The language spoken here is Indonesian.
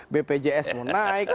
bpjs mau naik